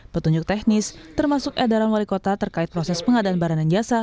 petunjuk teknis termasuk edaran wali kota terkait proses pengadaan barang dan jasa